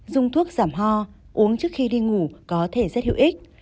dùng thuốc giảm ho uống trước khi đi ngủ có thể rất hữu ích